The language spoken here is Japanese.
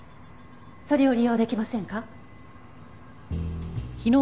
それを利用できませんか？